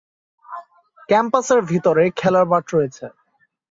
Campus এর ভেতরে খেলার মাঠ রয়েছে।